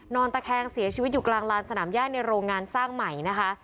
ตะแคงเสียชีวิตอยู่กลางลานสนามย่าในโรงงานสร้างใหม่นะคะ